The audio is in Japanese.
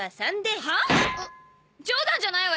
冗談じゃないわよ！